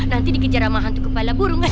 nanti dikejar sama hantu kepala burung nggak